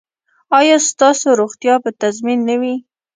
ایا ستاسو روغتیا به تضمین نه وي؟